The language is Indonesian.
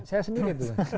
saya sendiri tuh